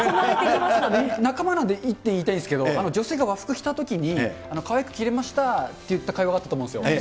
仲間なんで一点言いたいんですけど、女性が和服着たときに、かわいく着れましたって言った会話があったと思うんですよね。